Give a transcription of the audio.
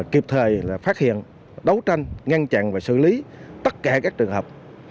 kịp thời phát hiện đấu tranh ngăn chặn và xử lý tất cả các trường hợp